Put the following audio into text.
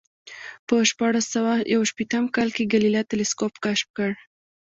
په شپاړس سوه یو شپېتم کال کې ګالیله تلسکوپ کشف کړ